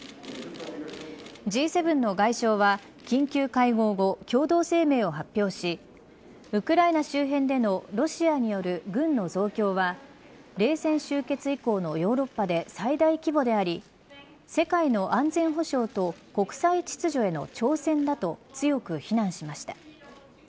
Ｇ７の外相は緊急会合後、共同声明を発表しウクライナ周辺でのロシアによる軍の増強は冷戦終結以降のヨーロッパで最大規模であり世界の安全保障と国際秩序への挑戦だと強く避難しました。